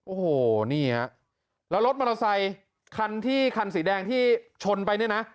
โอ้โหนี่ฮะแล้วรถมอเตอร์ไซคันที่คันสีแดงที่ชนไปเนี่ยนะ